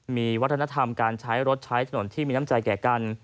มีวัฒนธรรมการใช้รถใช้ถนนที่มีน้ำใจแก่กัน